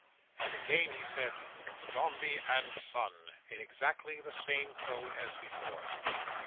And again he said "Dombey and Son," in exactly the same tone as before.